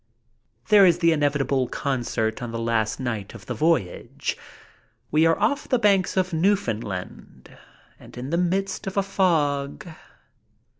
There is the inevitable concert on the last night of the voyage. We are off the banks of Newfoundland, and in the midst of a fog.